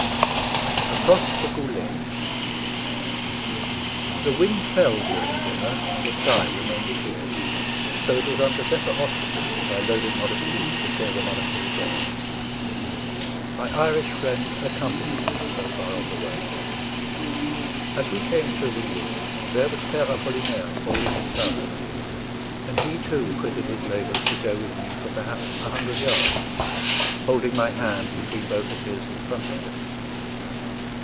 ACROSS THE GOULET The wind fell during dinner, and the sky remained clear; so it was under better auspices that I loaded Modestine before the monastery gate. My Irish friend accompanied me so far on the way. As we came through the wood, there was Père Apollinaire hauling his barrow; and he too quitted his labours to go with me for perhaps a hundred yards, holding my hand between both of his in front of him.